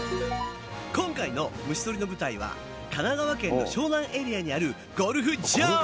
今回の虫とりの舞台は神奈川県の湘南エリアにあるゴルフ場！